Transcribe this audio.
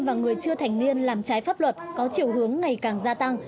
và người chưa thành niên làm trái pháp luật có chiều hướng ngày càng gia tăng